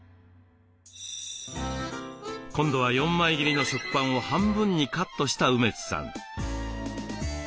今度は４枚切りの食パンを半分にカットした梅津さん。